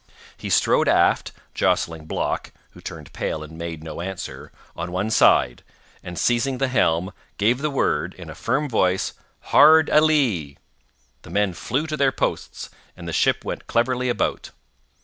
He strode aft, jostling Block (who turned pale and made no answer) on one side, and seizing the helm, gave the word, in a firm voice, Hard a lee! The men flew to their posts, and the ship went cleverly about.